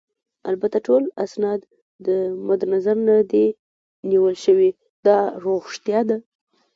البته ټول اسناد مدنظر نه دي نیول شوي، دا ريښتیا ده.